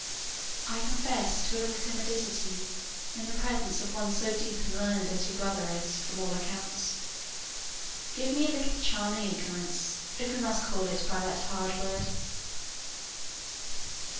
I confess to a little timidity in the presence of one so deep and learned as your brother is from all accounts. Give me a little charming ignorance, if we must call it by that hard word."